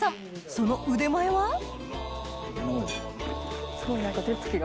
その腕前はすごい何か手つきが。